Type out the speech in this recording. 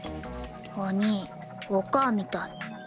お兄おかあみたい。